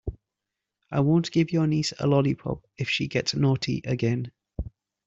I won't give your niece a lollipop if she gets naughty again.